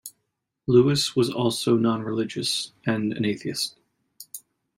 Lewis was also nonreligious and an atheist.